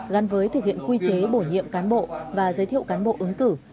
gắn với thực hiện quy chế bổ nhiệm cán bộ và giới thiệu cán bộ ứng cử